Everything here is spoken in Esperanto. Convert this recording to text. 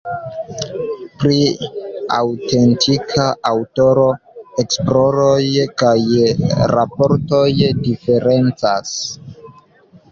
Pri aŭtentika aŭtoro esploroj kaj raportoj diferencas.